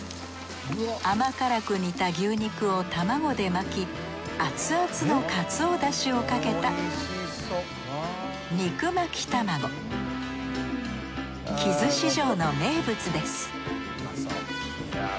甘辛く煮た牛肉を玉子で巻き熱々のかつおだしをかけた木津市場の名物です